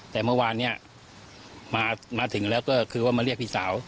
แต่เมื่อวานนี้มาถึงแล้วก็คือว่ามาเรียกพี่สาว